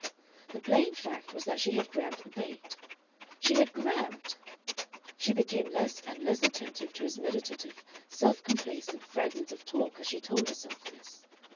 The plain fact was that she had grabbed a bait. She had grabbed! She became less and less attentive to his meditative, self complacent fragments of talk as she told herself this.